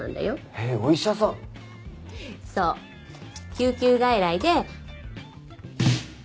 救急外来で。